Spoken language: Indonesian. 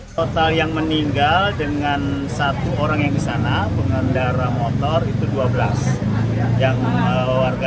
total yang meninggal dengan satu orang yang di sana pengendara motor itu dua belas yang warga